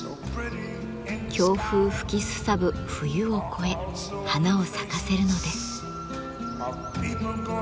強風吹きすさぶ冬を越え花を咲かせるのです。